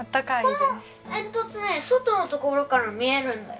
この煙突ね外の所から見えるんだよ。